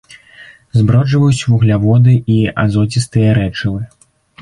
Зброджваюць вугляводы і азоцістыя рэчывы.